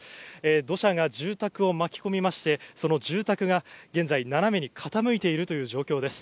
土砂が住宅を巻き込みまして、その住宅が現在、斜めに傾いているという状況です。